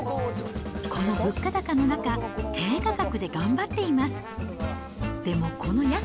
この物価高の中、低価格で頑張っています。